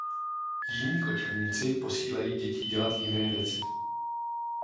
Jiní kočovníci posílají děti dělat jiné věci.